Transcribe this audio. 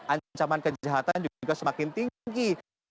ancaman kejahatan juga semakin tinggi